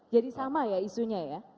jadi sama ya isunya ya